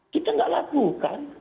kita tidak lakukan